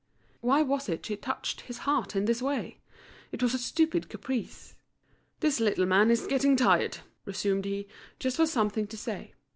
Why was it she touched his heart in this way? It was a stupid caprice. "This little man is getting tired," resumed he, just for something to say.